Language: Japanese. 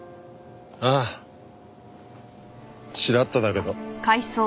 ああチラッとだけど。